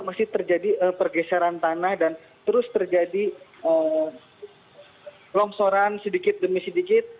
masih terjadi pergeseran tanah dan terus terjadi longsoran sedikit demi sedikit